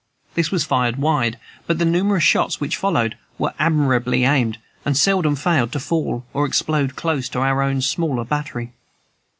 This was fired wide, but the numerous shots which followed were admirably aimed, and seldom failed to fall or explode close to our own smaller battery.